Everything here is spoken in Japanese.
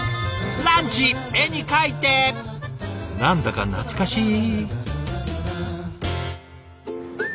何だか懐かしい。